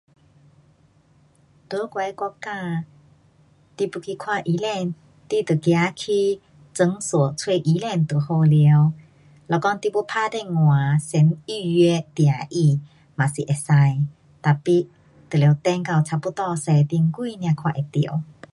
在我的国家，你要去看医生，你就走去诊所找医生就好了。若讲你要打电话先预约订他嘛是可以，tapi 得等到差不多十点多才看得到。